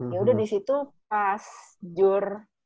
yaudah disitu pas jur